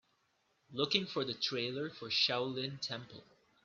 Looking for the trailer for Shaolin Temple